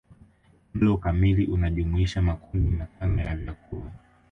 Mlo kamili unajumuisha makundi matano ya vyakula